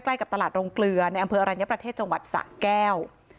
ใกล้กับตลาดโรงเกลือในอำเภออรัญญประเทศจังหวัดสะแก้ว